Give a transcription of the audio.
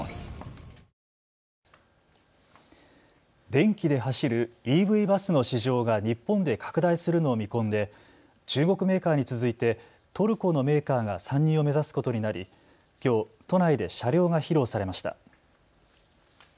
電気で走るＥＶバスの市場が日本で拡大するのを見込んで中国メーカーに続いてトルコのメーカーが参入を目指すことになり、きょう都内で車両が披露されました。